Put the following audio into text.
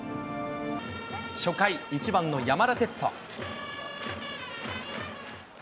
初回、１番の山田哲人。